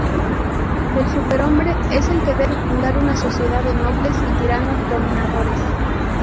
El superhombre es el que debe fundar una sociedad de nobles y tiranos dominadores.